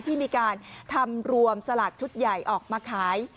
ที่มีการทำรวมสลากชุดใหญ่ออกมาขาย